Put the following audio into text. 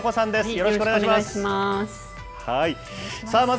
よろしくお願いします。